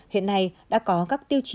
hiện nay đã có các tiêu chí